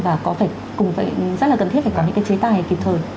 và có thể cùng vậy rất là cần thiết phải có những cái chế tài kịp thời